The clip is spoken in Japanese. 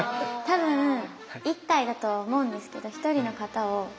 多分１体だとは思うんですけど１人の方を。